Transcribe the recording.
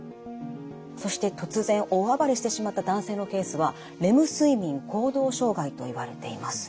そして突然大暴れしてしまった男性のケースはレム睡眠行動障害といわれています。